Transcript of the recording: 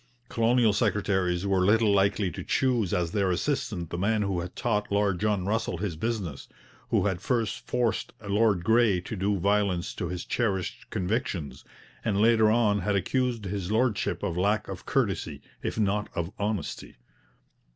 Colonial secretaries were little likely to choose as their assistant the man who had taught Lord John Russell his business, who had first forced Lord Grey to do violence to his cherished convictions, and later on had accused his Lordship of lack of courtesy, if not of honesty.